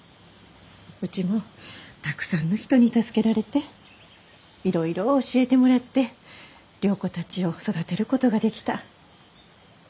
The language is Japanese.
うちもたくさんの人に助けられていろいろ教えてもらって良子たちを育てることができた。